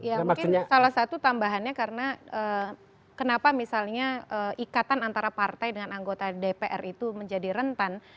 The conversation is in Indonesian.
ya mungkin salah satu tambahannya karena kenapa misalnya ikatan antara partai dengan anggota dpr itu menjadi rentan